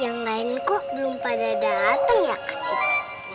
yang lain kok belum pada dateng ya kak siti